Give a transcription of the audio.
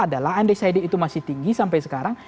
adalah andes id itu masih tinggi sampai sekarang